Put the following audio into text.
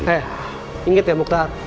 eh inget ya mukhtar